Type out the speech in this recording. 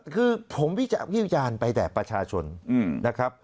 คือผมวิจารณ์ไปแต่ประชาชนนะครับ